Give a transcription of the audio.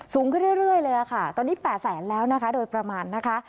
สูงขึ้นเรื่อยเลยค่ะตอนนี้๘แสนแล้วนะคะโดยประมาณนะคะ